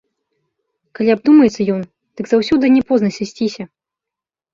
Калі абдумаецца ён, дык заўсёды не позна сысціся.